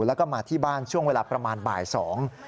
แล้วก็มาที่บ้านช่วงเวลาประมาณบ่ายสอง